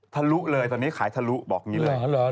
ทะลุเลยตอนนี้ขายทะลุบอกอย่างนี้เลย